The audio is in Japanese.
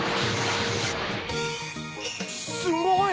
すごい！